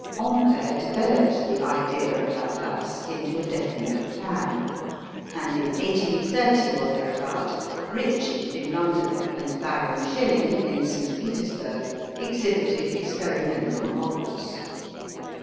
Ampere developed the idea of Laplace into a definite plan, and in 1830 or thereabout Ritchie, in London, and Baron Schilling, in St. Petersburg, exhibited experimental models.